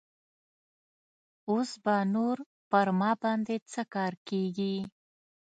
اوس به نور پر ما باندې څه کار کيږي.